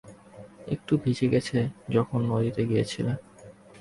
একটু ভিজে গেছে যখন নদীতে গিয়েছিলে।